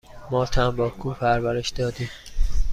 ما تنباکو پرورش دادیم.